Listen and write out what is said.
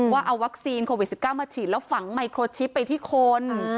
ว่าเอาวัคซีนโควิด๑๙มาฉีดแล้วฝังไมโครชิปไปที่คน